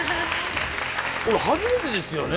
俺初めてですよね。